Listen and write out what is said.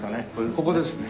ここですね。